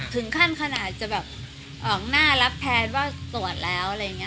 ถึงขั้นขนาดจะแบบออกหน้ารับแทนว่าตรวจแล้วอะไรอย่างนี้